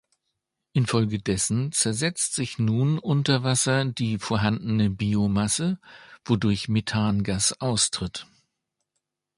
Infolgedessen zersetzt sich nun unter Wasser die vorhandene Biomasse, wodurch Methangas austritt.